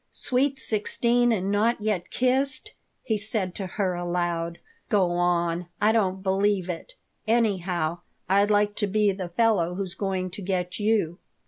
Sweet sixteen and not yet kissed?" he said to her, aloud. "Go on! I don't believe it. Anyhow, I'd like to be the fellow who's going to get you."